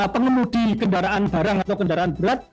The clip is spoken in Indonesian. pengemudi kendaraan barang atau kendaraan berat